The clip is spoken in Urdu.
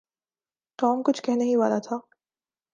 ٹام کچھ کہنے ہی والا تھا۔